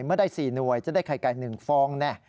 เมื่อได้๔หน่วยจะได้ไข่ไก่๑ฟองแน่